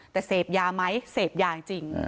แต่เสพยาไหมเสพยาจริง